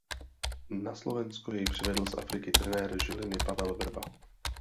Na Slovensko jej přivedl z Afriky trenér Žiliny Pavel Vrba.